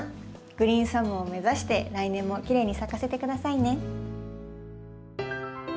グリーンサムを目指して来年もきれいに咲かせてくださいね。